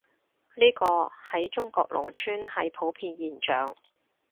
呢個，喺中國農村係普遍現象